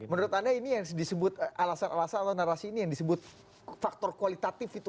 menurut anda ini yang disebut alasan alasan atau narasi ini yang disebut faktor kualitatif itu